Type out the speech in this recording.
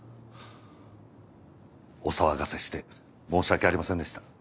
お騒がせして申し訳ありませんでした。